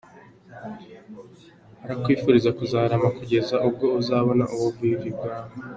Arakwifuriza kuzarama kugeza ubwo uzabona ubuvivi bwawe.